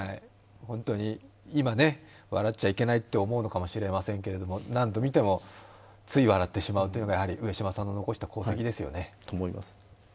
本当に今、笑っちゃいけないと思うのかもしれませんけれども、何度見ても、つい笑ってしまうというのは、上島さんの残した功績ですよね。